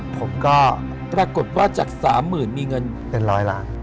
ผมก็ปรากฏว่าจาก๓๐๐๐มีเงินเป็นร้อยล้าน